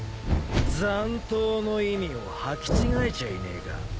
残党の意味を履き違えちゃいねえか？